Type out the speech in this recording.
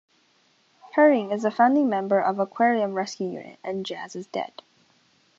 Herring is a founding member of Aquarium Rescue Unit and Jazz Is Dead.